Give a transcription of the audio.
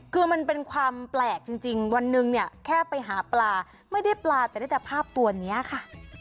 คือมันเป็นความแปลกจริงวันหนึ่งเนี่ยแค่ไปหาปลาไม่ได้ปลาแต่ได้แต่ภาพตัวนี้ค่ะ